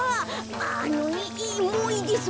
あのもういいです。